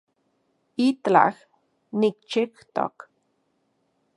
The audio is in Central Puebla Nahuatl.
Itlaj nikchijtok